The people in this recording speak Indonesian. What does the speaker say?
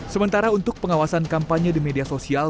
sementara untuk pengawasan kampanye di media sosial